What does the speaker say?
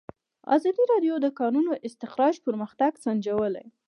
ازادي راډیو د د کانونو استخراج پرمختګ سنجولی.